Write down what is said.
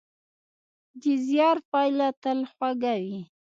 د زیار پایله تل خوږه وي.